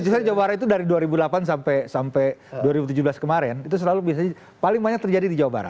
maksud saya jawa barat itu dari dua ribu delapan sampai dua ribu tujuh belas kemarin itu selalu bisa paling banyak terjadi di jawa barat